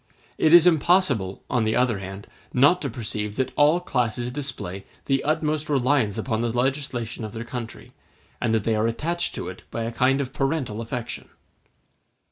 It is impossible, on the other hand, not to perceive that all classes display the utmost reliance upon the legislation of their country, and that they are attached to it by a kind of parental affection.